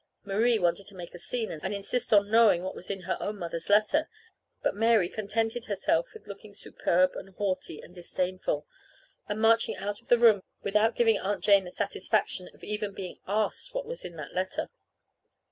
Marie wanted to make a scene and insist on knowing what was in her own mother's letter; but Mary contented herself with looking superb and haughty and disdainful, and marching out of the room without giving Aunt Jane the satisfaction of even being asked what was in that letter.